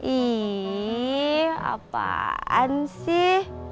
ih apaan sih